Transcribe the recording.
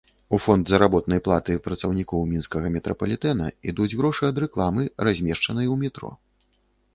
У фонд заработнай платы працаўнікоў мінскага метрапалітэна ідуць грошы ад рэкламы, размешчанай ў метро.